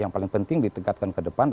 yang paling penting ditegatkan ke depan